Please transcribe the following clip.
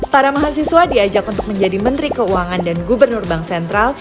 para mahasiswa diajak untuk menjadi menteri keuangan dan gubernur bank sentral